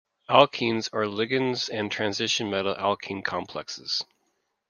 Alkenes are ligands in transition metal alkene complexes.